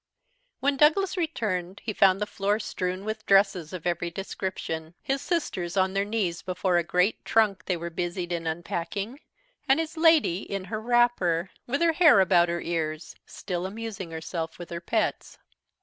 _ WHEN Douglas returned he found the floor strewed with dresses of every description, his sisters on their knees before a great trunk they were busied in unpacking, and his Lady in her wrapper, with her hair about her ears, still amusing herself with her pets.